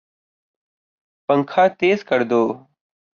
پنکھا تیز کردو